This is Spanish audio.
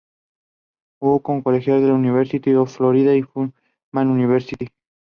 Jugo como colegial en University of Florida y Furman University.